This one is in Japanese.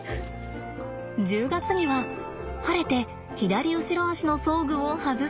１０月には晴れて左後ろ足の装具を外しました。